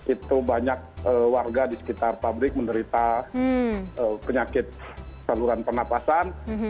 itu banyak warga di sekitar pabrik menderita penyakit saluran pernapasan